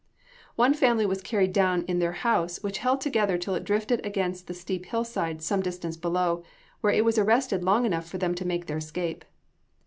One family were carried down in their house, which held together till it drifted against the steep hillside, some distance below, where it was arrested long enough for them to make their escape.